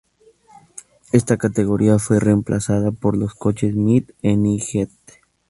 Esta categoría fue reemplazada por los coches "mid-engined".